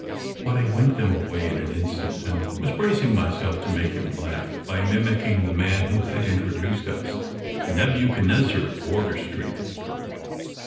But I winked them away in an instant, and was bracing myself to make him laugh by mimicking the man who had introduced us : Nebuchadnezzar of Wardour Street.